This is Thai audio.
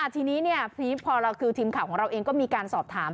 ทีนี้ทีมข่าวของเราเองก็มีการสอบถาม